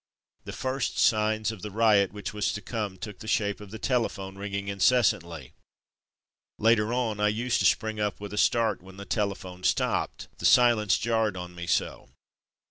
The first signs of the riot which was to come took the shape of the telephone ringing incessantly. Later on, I used to spring up with a start when the telephone stopped — the silence jarred on me so.